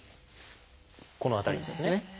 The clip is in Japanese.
この辺りですね。